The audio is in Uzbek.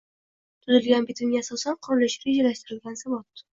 tuzilgan bitimga asosan qurilishi rejalashtirilgan zavod